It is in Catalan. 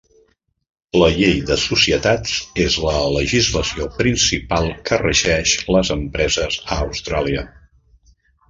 La Llei de societats és la legislació principal que regeix les empreses a Austràlia.